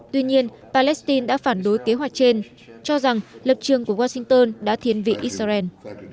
tuy nhiên palestine đã phản đối kế hoạch trên cho rằng lập trường của washington đã thiên vị israel